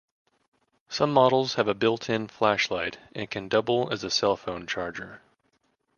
Some models have a built-in flashlight and can double as a cellphone charger.